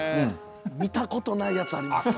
見たことないやつあります。